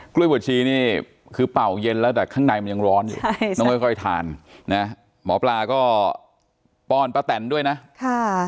กล้วยผวดชี้นี่คือเปล่าเย็นแล้วแต่ข้างในมันยังร้อนนักค่อยทานนะเหมาะปลาก็ป้อนปะแตนด้วยนะค่ะ